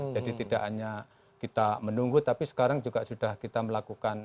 jadi tidak hanya kita menunggu tapi sekarang juga sudah kita melakukan